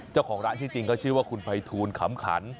เจ้าของร้านชื่อจริงก็ชื่อว่าคุณภัยทูลขำขัน